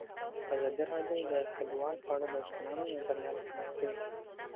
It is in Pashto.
ازادي راډیو د کډوال په اړه د ځوانانو نظریات وړاندې کړي.